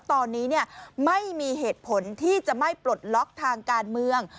ตอนนี้ไม่มีเหตุผลที่จะไม่ปลดล็อกทางการเมือง